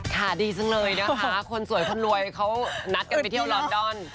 ดีจังเลยนะคะคนสวยคนรวยเขานัดกันไปเที่ยวลอนดอน